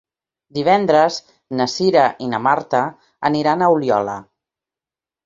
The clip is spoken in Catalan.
Divendres na Cira i na Marta aniran a Oliola.